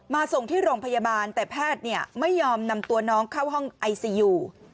ส่งที่โรงพยาบาลแต่แพทย์ไม่ยอมนำตัวน้องเข้าห้องไอซียู